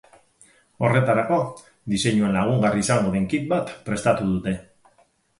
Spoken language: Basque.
Horretarako, diseinuan lagungarri izango den kit bat prestatu dute.